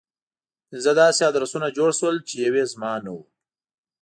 پنځه داسې ادرسونه جوړ شول چې يو يې زما نه و.